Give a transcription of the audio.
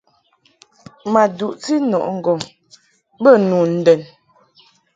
Ma duʼti nɔʼɨ ŋgɔŋ be nu ndɛn.